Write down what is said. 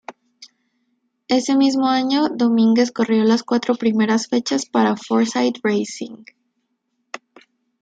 Ese mismo año, Domínguez corrió las cuatro primeras fechas para Forsythe Racing.